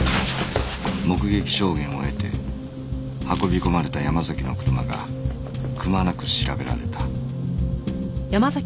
目撃証言を得て運び込まれた山崎の車がくまなく調べられた